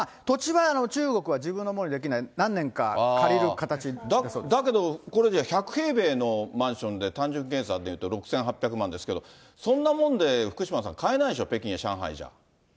土地は中国は自分のものにできない、何年か借りる形だそうでだけど、これじゃあ、１００平米のマンションで、単純計算でいうと６８００万ですけど、そんなもので、福島さん、買えないでしょ、北京、上海じゃ。